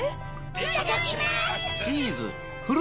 いただきます。